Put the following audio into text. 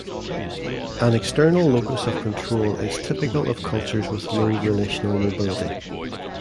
An external locus of control is typical of cultures with low relational mobility.